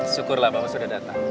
syukurlah bapak sudah datang